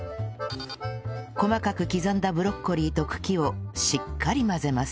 細かく刻んだブロッコリーと茎をしっかり混ぜます